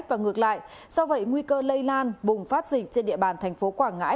và ngược lại do vậy nguy cơ lây lan bùng phát dịch trên địa bàn thành phố quảng ngãi